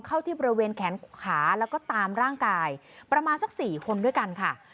เข้าที่บริเวณแขนขาแล้วก็ตามร่างกายประมาณสัก๔คนด้วยกันค่ะ